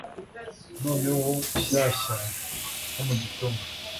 noneho shyashya nko mu gitondo